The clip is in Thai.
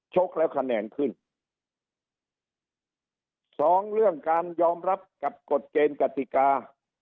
กแล้วคะแนนขึ้นสองเรื่องการยอมรับกับกฎเกณฑ์กติกา